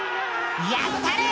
やったれ！